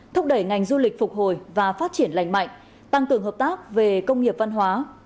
thúc đẩy ngành du lịch phục hồi và phát triển lành mạnh tăng cường hợp tác về công nghiệp văn hóa